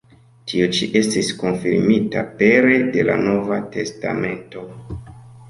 Tio ĉi estis konfirmita pere de la Nova Testamento.